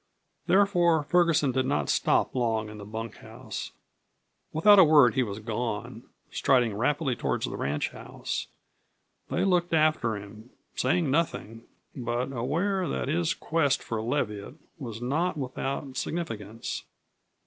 Therefore Ferguson did not stop long in the bunkhouse. Without a word he was gone, striding rapidly toward the ranchhouse. They looked after him, saying nothing, but aware that his quest for Leviatt was not without significance.